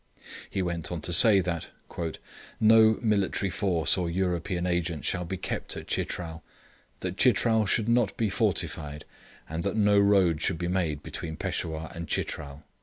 He went on to say that no 'military force or European Agent shall be kept at Chitral; that Chitral should not be fortified; and that no road shall be made between Peshawur and Chitral.'